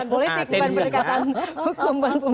politik bukan berdekatan hukum